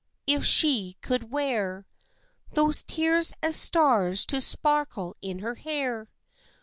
If she could wear Those tears as stars to sparkle in her hair!